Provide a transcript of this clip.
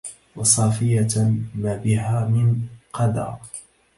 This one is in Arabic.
وصافية ما بها من قذى